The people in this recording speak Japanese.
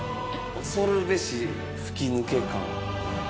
恐るべし吹き抜け感。